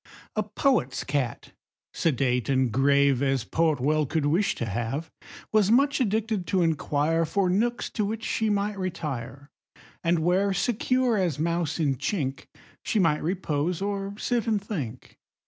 A poet's cat, sedate and grave As poet well could wish to have, Was much addicted to inquire For nooks to which she might retire, And where, secure as mouse in chink, She might repose, or sit and think.